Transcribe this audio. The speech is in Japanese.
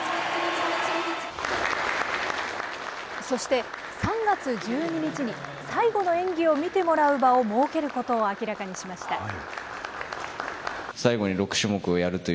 そして、３月１２日に最後の演技を見てもらう場を設けることを明らかにしました。